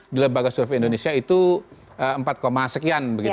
di lembaga survei indonesia itu empat sekian begitu